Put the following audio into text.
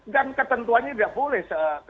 kan ketentuannya tidak boleh